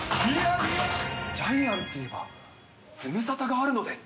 ジャイアンツにはズムサタがあるので。